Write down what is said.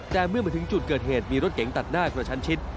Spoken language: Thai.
แต่เมื่อมาถึงจุดเกิดเหตุมีรถเก๋งตัดหน้ากระชั้นชิด